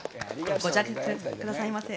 ご着席くださいませ。